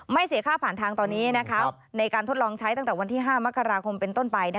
เสียค่าผ่านทางตอนนี้ในการทดลองใช้ตั้งแต่วันที่๕มกราคมเป็นต้นไป